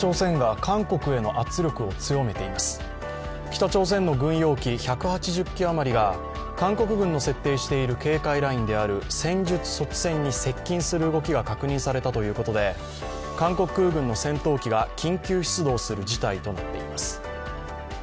北朝鮮の軍用機１８０機余りが韓国軍の設定している警戒ラインである戦術措置線に接近する動きが確認されたということで韓国空軍の戦闘機が緊急出動する事態となっています。